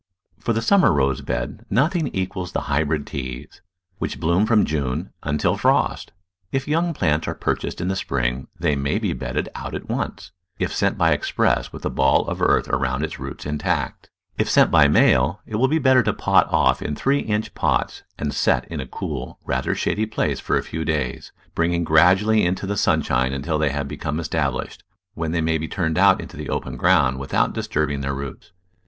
For the summer rose bed nothing equals the Hy brid Teas, which bloom from June until frost. If young plants are purchased in the spring they may be bedded out at once, if sent by express with the ball of Digitized by Google Fifteen] gwmner 3fcosMbet> *n earth about their roots intact. If sent by mail it will be better to pot off in three inch pots, and set in a cool, rather shady place for a few days, bringing grad ually into the sunshine until they have become estab lished, when they may be turned out into the open ground without disturbing their roots.